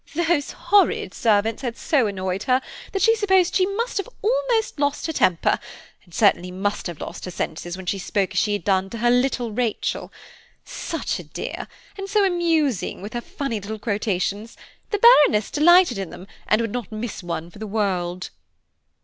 "Those horrid servants had so annoyed her, that she supposed she must almost have lost her temper, and certainly must have lost her senses when she spoke as she had done to her little Rachel; such a dear, and so amusing with her funny little quotations–the Baroness delighted in them, and would not miss one for the world."